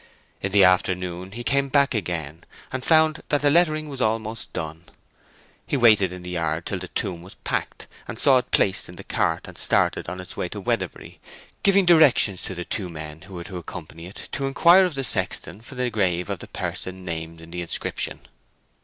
In the afternoon he came back again, and found that the lettering was almost done. He waited in the yard till the tomb was packed, and saw it placed in the cart and starting on its way to Weatherbury, giving directions to the two men who were to accompany it to inquire of the sexton for the grave of the person named in the inscription.